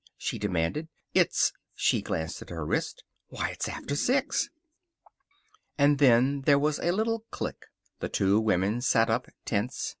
she demanded. "It's" she glanced at her wrist "why, it's after six!" And then there was a little click. The two women sat up, tense.